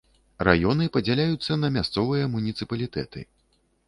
Раёны падзяляюцца на мясцовыя муніцыпалітэты.